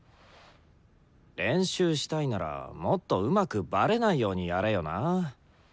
練習したいならもっとうまくバレないようにやれよな。